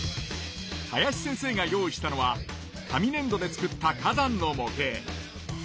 林先生が用意したのは紙ねんどで作った火山の模型。